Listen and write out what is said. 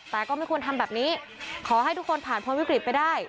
แต่ก็ไม่ควรทำแบบนี้ขอให้ทุกคนผ่านพ้นวิกฤตไปได้